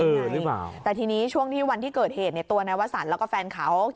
งานหรือเปล่าแต่ทีนี้ช่วงที่วันที่เกิดเหตุเนี่ยตัวนายวสันแล้วก็แฟนเขา